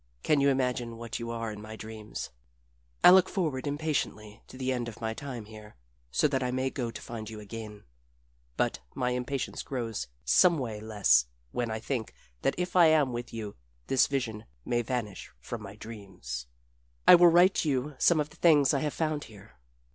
Can you imagine what you are in my dreams? I look forward impatiently to the end of my time here, so that I may go to find you again; but my impatience grows someway less when I think that if I am with you this vision may vanish from my dreams. I will write you of some of the things I have found here.